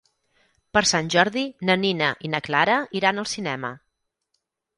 Per Sant Jordi na Nina i na Clara iran al cinema.